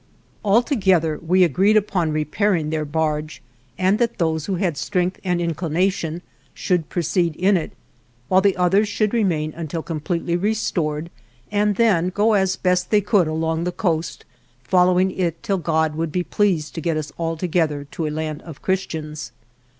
All together, we agreed upon repairing their barge, and that those who had strength and inclination should proceed in it, while the others should remain until completely re stored and then go as best they could along the coast, following it till God would be pleased to get us all together to a land of Christians.